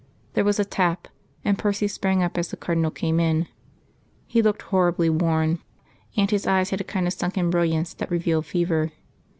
There was a tap, and Percy sprang up as the Cardinal came in. He looked horribly worn; and his eyes had a kind of sunken brilliance that revealed fever.